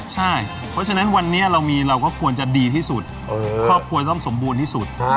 ใช่เพราะฉะนั้นวันนี้เราก็ควรจะดีที่สุดครอบครัวต้องสมบูรณ์ที่สุด